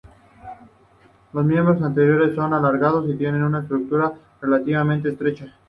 Los miembros anteriores son alargados y tienen una estructura relativamente estrecha.